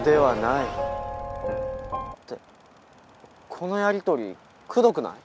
このやり取りくどくない？